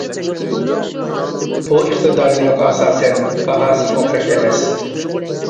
بۇ ئىقتىدارلىرىغا ئاساسەن باھاسىمۇ ئوخشاش ئەمەس.